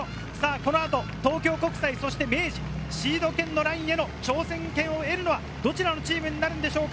このあと東京国際、明治、シード権のラインへの挑戦権を得るのはどちらのチームになるでしょうか。